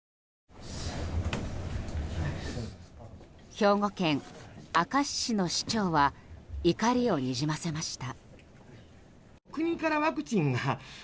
兵庫県明石市の市長は怒りをにじませました。